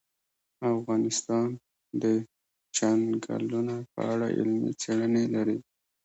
افغانستان د چنګلونه په اړه علمي څېړنې لري.